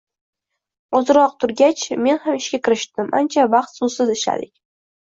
Ozroq turgach, men ham ishga kirishdim. Ancha vaqt soʻzsiz ishladik.